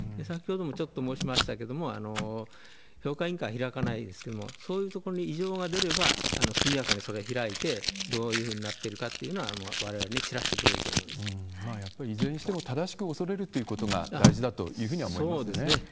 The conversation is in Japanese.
先ほどもちょっと申しましたけれども、評価委員会開かないですけども、そういう所に異常が出れば、速やかにそれを開いて、どういうふうになっているかというのは、われわれに知らせてくれやっぱりいずれにしても、正しく恐れるっていうことが大事だというふうに思いますね。